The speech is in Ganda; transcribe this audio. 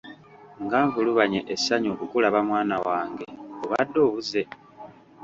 Nga nvulubanye essanyu okukulaba mwana wange, obadde obuze!